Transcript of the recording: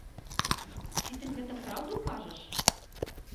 Ці ты гэта праўду кажаш?